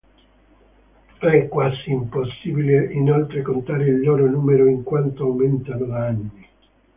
È quasi impossibile inoltre contare il loro numero in quanto aumentano da anni.